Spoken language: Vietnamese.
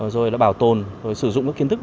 rồi là bảo tồn sử dụng các kiên tử